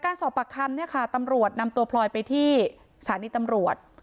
สอบปากคำเนี่ยค่ะตำรวจนำตัวพลอยไปที่สถานีตำรวจ